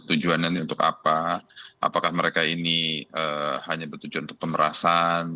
tujuannya untuk apa apakah mereka ini hanya bertujuan untuk pemerasan